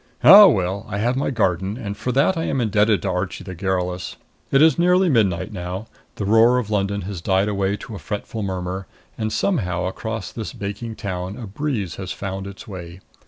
Ah, well, I have my garden, and for that I am indebted to Archie the garrulous. It is nearly midnight now. The roar of London has died away to a fretful murmur, and somehow across this baking town a breeze has found its way.